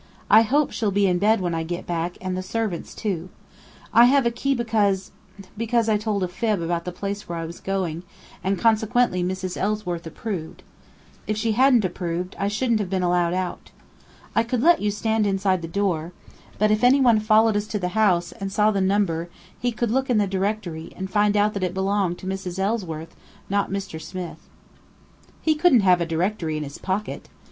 I hope she'll be in bed when I get back, and the servants, too. I have a key because because I told a fib about the place where I was going, and consequently Mrs. Ellsworth approved. If she hadn't approved, I shouldn't have been allowed out. I could let you stand inside the door. But if any one followed us to the house, and saw the number, he could look in the directory, and find out that it belonged to Mrs. Ellsworth, not Mr. Smith." "He couldn't have a directory in his pocket!